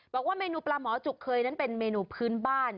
บอกว่าเมนูปลาหมอจุกเคยนั้นเป็นเมนูพื้นบ้าน